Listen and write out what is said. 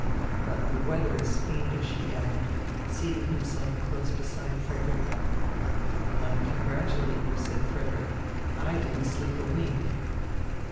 "But the weather is fiendish," he added, seating himself close beside Frederick. "Congratulate you," said Frederick. "I didn't sleep a wink."